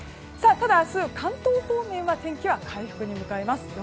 ただ、明日関東方面の天気は回復に向かいます。